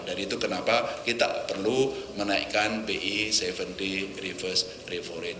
dan itu kenapa kita perlu menaikkan bi tujuh ds reverse rate